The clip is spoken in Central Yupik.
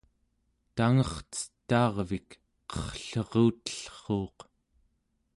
tangercetaarvik qerrlerutellruuq